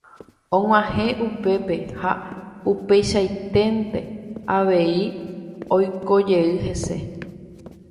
Og̃uahẽ upépe ha upeichaiténte avei oikojey hese.